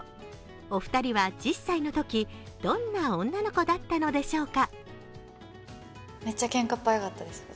お二人は１０歳のとき、どんな女の子だったのでしょうか？